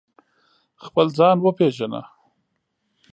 خپل ځان و پېژنه